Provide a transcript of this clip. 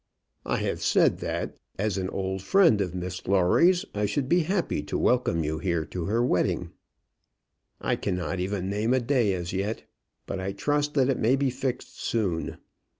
I have said that, as an old friend of Miss Lawrie's, I should be happy to welcome you here to her wedding. I cannot even name a day as yet; but I trust that it may be fixed soon.